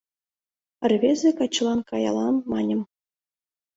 Рвезе качылан каялам, маньым, -